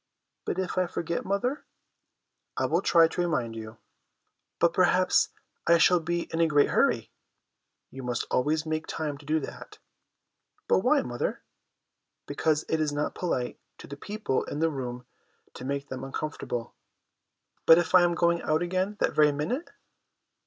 ' But if I forget, mother ?'' I will try to remind you.' 'But perhaps I shall be in a great hurry.' ' You must always make time to do that.' ' But why, mother ?'' Because it is not polite to the people in the room to make them uncomfortable.' 1 But if I am going out again that very minute?'